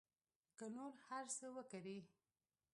که نور هر څه وکري.